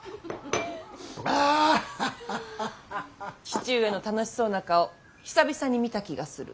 父上の楽しそうな顔久々に見た気がする。